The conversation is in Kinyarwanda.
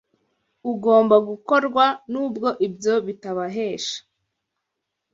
ugomba gukorwa nubwo ibyo bitabahesha